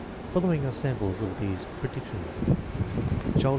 Fol lowing are samples of these predictions: Child No.